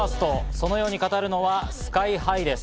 そのように語るのはＳＫＹ−ＨＩです。